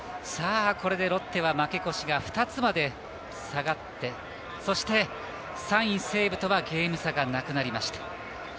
これでロッテは負け越しが２つまで下がってそして３位の西武とはゲーム差がなくなりました。